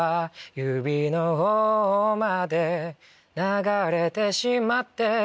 指の方まで流れてしまって